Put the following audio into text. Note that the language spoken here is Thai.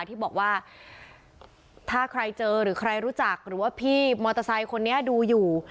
ที่บอกว่าถ้าใครเจอหรือใครรู้จักหรือว่าพี่มอเตอร์ไซค์คนนี้ดูอยู่